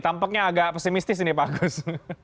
tampaknya agak pesimistis ini pak agus